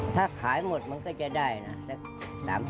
ถ้าขายหมดมันก็จะได้นักสัก๓๔๐๐บาท